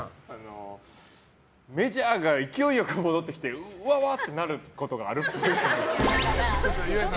メジャーが勢いよく戻ってきてうわっ！ってなることがあるっぽい。